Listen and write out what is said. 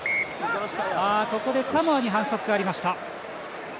ここでサモアに反則がありました。